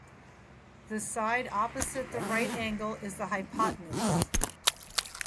The side opposite the right angle is the hypotenuse.